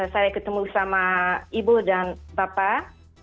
saya ketemu sama ibu dan bapak